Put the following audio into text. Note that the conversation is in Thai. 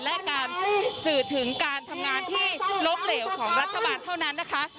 และการสื่อถึงการทำงานที่ล้มเหลวของรัฐบาลเท่านั้นนะคะ